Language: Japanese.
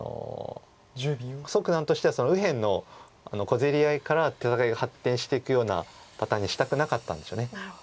蘇九段としては右辺の小競り合いから戦いが発展していくようなパターンにしたくなかったんでしょう。